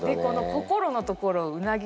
「心」のところうなぎの。